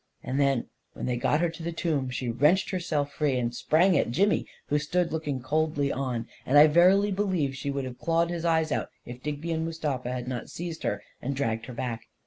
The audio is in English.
. And then, when they got her to the tomb, she wrenched herself free and sprang at Jimmy, who stood looking coldly on, and I verily believe she would have clawed his eyes out if Digby and Mustafa had not seized her and dragged her back.